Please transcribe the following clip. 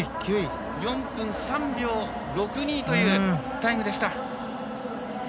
４分３秒６２というタイムでした。